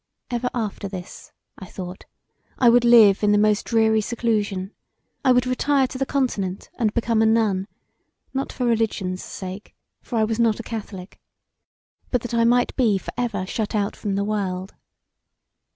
Ever after this, I thought, I would live in the most dreary seclusion. I would retire to the Continent and become a nun; not for religion's sake, for I was not a Catholic, but that I might be for ever shut out from the world.